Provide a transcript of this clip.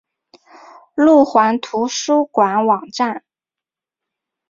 路环图书馆网站